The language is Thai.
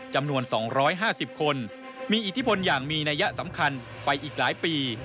จำนวน๒๕๐คนมีอิทธิพลอย่างมีนัยยะสำคัญไปอีกหลายปี